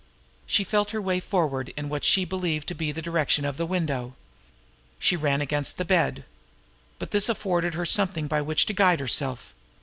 She felt her way forward in what she believed to be the direction of the window. She ran against the bed. But this afforded her something by which to guide herself.